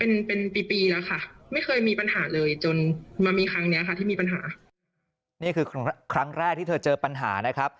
นี่คือครั้งแรกที่เธอเจอปัญหา